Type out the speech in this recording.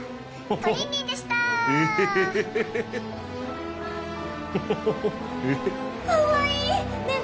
トリンリンでしたかわいいねえ